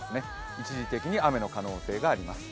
一時的に雨の可能性があります。